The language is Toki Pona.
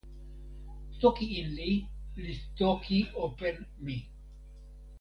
toki Inli li toki open mi.